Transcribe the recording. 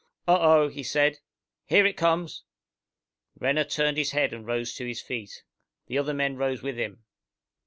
"Oh, oh!" he said. "Here it comes!" Renner turned his head, and rose to his feet. The other men rose with him.